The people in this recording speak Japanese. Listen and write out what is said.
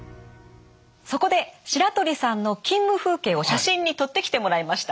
そこで白鳥さんの勤務風景を写真に撮ってきてもらいました。